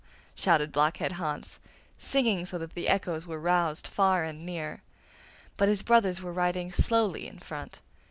shouted Blockhead Hans, singing so that the echoes were roused far and near. But his brothers were riding slowly in front.